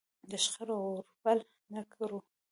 د شخړو اور بل نه کړو.